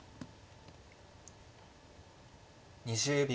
２０秒。